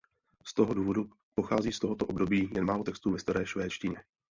Z toho důvodu pochází z tohoto období jen málo textů ve staré švédštině.